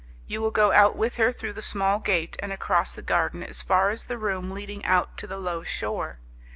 You will go out with her through the small gate and across the garden as far as the room leading out to the low shore.